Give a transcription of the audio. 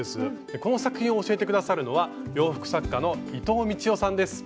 この作品を教えて下さるのは洋服作家の伊藤みちよさんです。